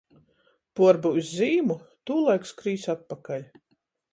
Puorbyus zīmu, tūlaik skrīs atpakaļ.